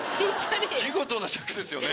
見事な尺ですよね。